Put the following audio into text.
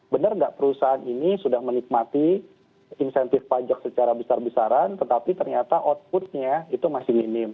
benar nggak perusahaan ini sudah menikmati insentif pajak secara besar besaran tetapi ternyata outputnya itu masih minim